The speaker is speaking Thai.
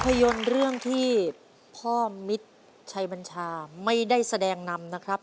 ยนตร์เรื่องที่พ่อมิตรชัยบัญชาไม่ได้แสดงนำนะครับ